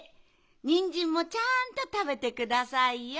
ニンジンもちゃんとたべてくださいよ。